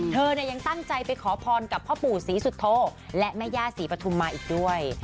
เธอเนี่ยยังตั้งใจไปขอพรกับพ่อปู่ศรีสุโธและแม่ย่าศรีปฐุมมาอีกด้วย